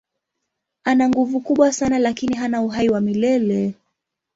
Ana nguvu kubwa sana lakini hana uhai wa milele.